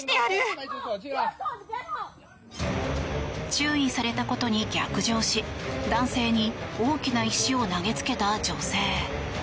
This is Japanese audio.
注意されたことに逆上し男性に大きな石を投げつけた女性。